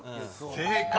［正解！